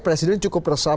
presiden cukup resah